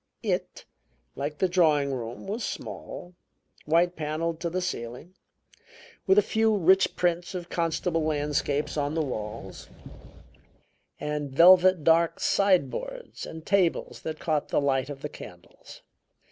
It, like the drawing room, was small, white paneled to the ceiling, with a few rich prints of Constable landscapes on the walls, and velvet dark sideboards and tables that caught the light of the candles.